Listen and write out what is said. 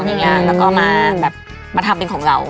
แล้วก็มาทำเป็นของเรา